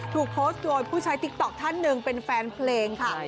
ถูกโพสต์โดยผู้ใช้ติ๊กต๊อกท่านหนึ่งเป็นแฟนเพลงค่ะ